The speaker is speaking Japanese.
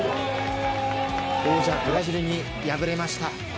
王者ブラジルに敗れました。